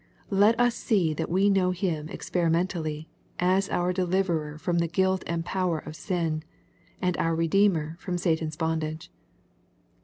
Let us see that we know Him experimentally, as out Deliverer from the guilt and power of sin, and our Be deemer from Satan^s bondage.